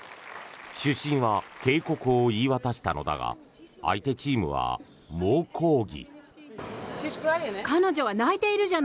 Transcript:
主審は警告を言い渡したのだが相手チームは猛抗議。